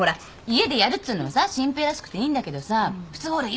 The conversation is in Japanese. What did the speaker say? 家でやるっつうのはさ真平らしくていいんだけどさ普通ほら。